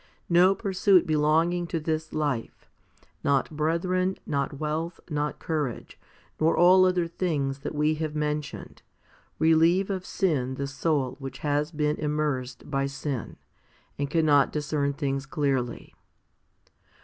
No pursuit belonging to this life, not brethren, not wealth, not courage, nor all other things that we have mentioned, relieve of sin the soul which has been immersed by sin, and cannot discern things clearly.